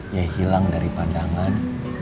ia hilang dari pandangan